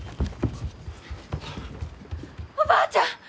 おばあちゃん！